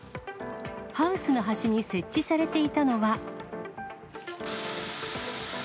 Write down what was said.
ハウスの端に設置されていたのは。